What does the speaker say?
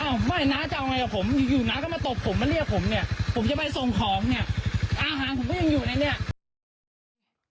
อ้าวไม่น้าจะเอาไงกับผมอยู่น้าก็มาตบผมป่ะเนี่ยผมเนี่ย